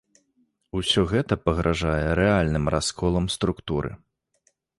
Усё гэта пагражае рэальным расколам структуры.